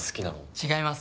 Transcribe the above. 違います。